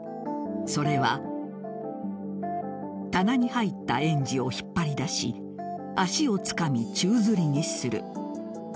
それは棚に入った園児を引っ張り出し足をつかみ、宙づりにする。